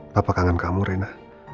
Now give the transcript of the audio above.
bapak kangen kamu rena